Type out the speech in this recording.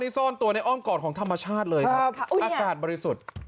ซ่อนตัวในอ้อมกอดของธรรมชาติเลยครับอากาศบริสุทธิ์